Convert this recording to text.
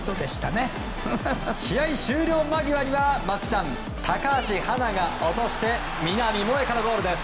試合終了間際には松木さん、高橋はなが落として南萌華のゴールです。